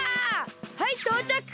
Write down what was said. はいとうちゃく！